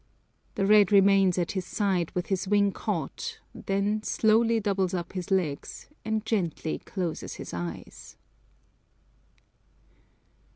The red remains at his side with his wing caught, then slowly doubles up his legs and gently closes his eyes.